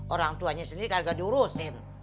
orang tuanya sendiri kadang gak diurusin